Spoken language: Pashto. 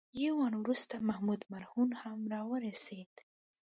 یو آن وروسته محمود مرهون هم راورسېد.